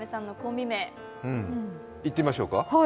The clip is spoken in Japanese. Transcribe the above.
いってみましょうか。